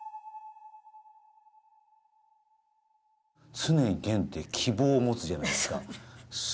常にゲンって希望を持つじゃないですか。